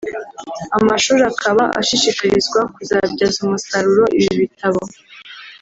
Amashuri akaba ashishikarizwa kuzabyaza umusaruro ibi bitabo